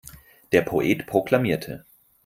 Der Poet proklamierte.